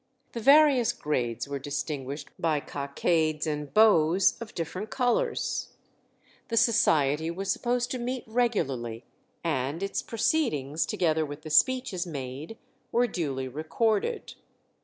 The various grades were distinguished by cockades and bows of different colours. The society was supposed to meet regularly, and its proceedings, together with the speeches made, were duly recorded.